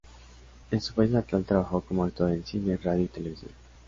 En su país natal trabajó como actor en Cine, Radio y Televisión.